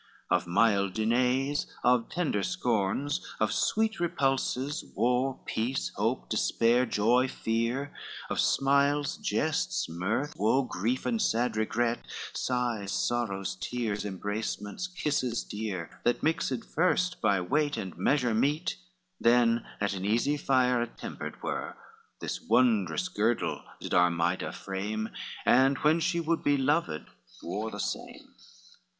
XXV Of mild denays, of tender scorns, of sweet Repulses, war, peace, hope, despair, joy, fear, Of smiles, jests, mirth, woe, grief, and sad regreet, Sighs, sorrows, tears, embracements, kisses dear, That mixed first by weight and measure meet, Then at an easy fire attempered were, This wondrous girdle did Armida frame, And, when she would be loved, wore the same.